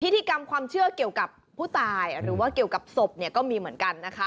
พิธีกรรมความเชื่อเกี่ยวกับผู้ตายหรือว่าเกี่ยวกับศพเนี่ยก็มีเหมือนกันนะคะ